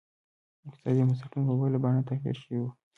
اقتصادي بنسټونه په بله بڼه تغیر شوي وو.